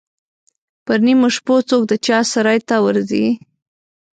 پر نیمو شپو څوک د چا سرای ته ورځي.